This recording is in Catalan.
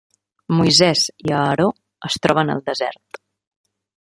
Moisès i Aaró es troben al desert.